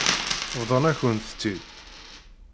Bḍan-akent-tt-id.